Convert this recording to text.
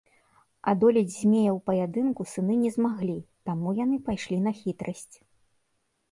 Адолець змея ў паядынку сыны не змаглі, таму яны пайшлі на хітрасць.